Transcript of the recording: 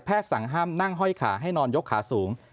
สั่งห้ามนั่งห้อยขาให้นอนยกขาสูง